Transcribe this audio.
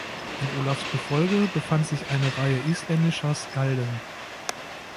In Olavs Gefolge befand sich eine Reihe isländischer Skalden.